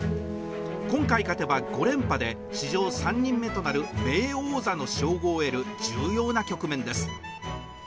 今回勝てば５連覇で史上３人目となる名誉王座の称号を得る重要な局面です。